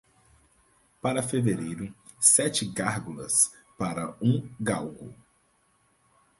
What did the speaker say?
Para fevereiro, sete gárgulas para um galgo.